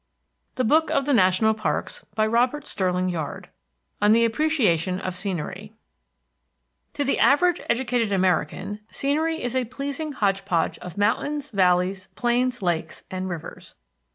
THE BOOK OF THE NATIONAL PARKS The Book of the National Parks ON THE APPRECIATION OF SCENERY To the average educated American, scenery is a pleasing hodge podge of mountains, valleys, plains, lakes, and rivers.